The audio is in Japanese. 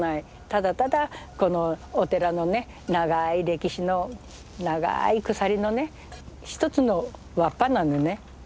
ただただこのお寺のね長い歴史の長い鎖のね一つの輪っぱなのね。